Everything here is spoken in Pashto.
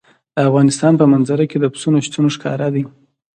د افغانستان په منظره کې د پسونو شتون ښکاره دی.